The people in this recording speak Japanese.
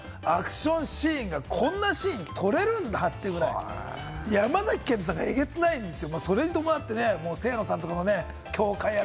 アクションシーンがこんなシーン撮れるんだって、山崎賢人くんがえげつないんですよ。